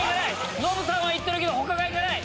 ノブさんは行ってるけど他が行かない。